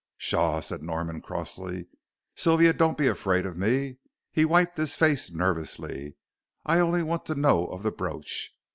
"Pshaw," said Norman, crossly, "Sylvia, don't be afraid of me." He wiped his face nervously. "I only want to know of the brooch.